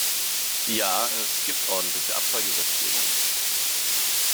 Ja, es gibt ordentliche Abfallgesetzgebung.